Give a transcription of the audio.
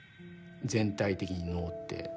全体的に能って。